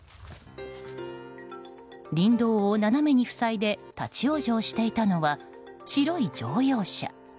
林道を斜めに塞いで立往生していたのは白い乗用車。